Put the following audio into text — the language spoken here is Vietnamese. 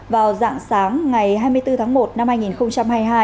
vào dạng sáng ngày hai mươi bốn tháng một năm hai nghìn hai mươi hai